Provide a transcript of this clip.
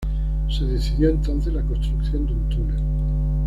Se decidió entonces la construcción de un túnel.